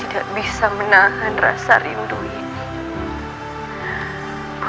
dan izinkan hamba